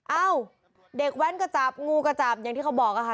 เอ้าเด็กแว้นก็จับงูก็จับอย่างที่เขาบอกอะค่ะ